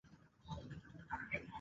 Alijiunga na kikundi cha wapiga picha